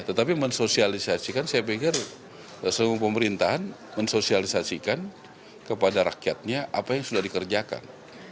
tetapi mensosialisasikan saya pikir seluruh pemerintahan mensosialisasikan kepada rakyatnya apa yang sudah dikerjakan